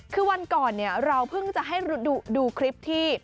คือวันก่อนเราเพิ่งจะให้ดูคลิปที่